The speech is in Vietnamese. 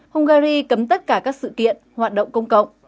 hungary cấm tất cả các sự kiện hoạt động công cộng